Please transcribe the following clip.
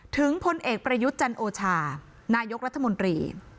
พลเอกประยุทธ์จันโอชานายกรัฐมนตรี